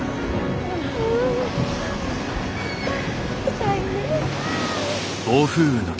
痛いねえ。